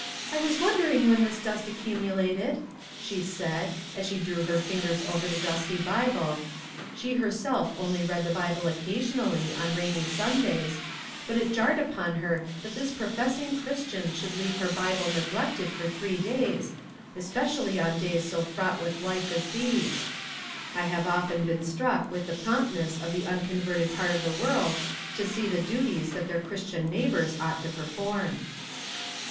" I was wondering when this dust accumulated," she said, as she drew her fingers over the dusty Bible — she herself only read the Bible occasionally, on rainy Sundays — but it jarred upon her that this professing Chris tian should leave her Bible neglected for three days, especially on days so fraught with life aa these. I have often been struck with the promptness of the unconverted part of the world \o see the duties that their Christian neighbors ought to perform.